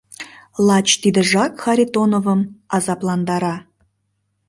Лач тидыжак Харитоновым азапландара.